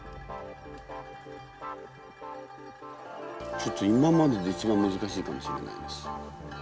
ちょっと今までで一番難しいかもしれないです。